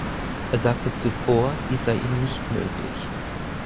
Er sagte zuvor, dies sei ihm nicht möglich.